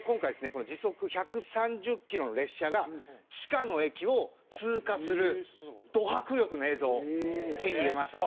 この時速１３０キロの列車が地下の駅を通過するド迫力の映像を手に入れましたので。